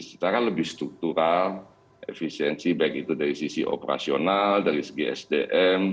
secara lebih struktural efisiensi baik itu dari sisi operasional dari segi sdm